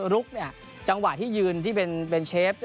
ลุกจังหวะที่ยืนที่เป็นเชฟ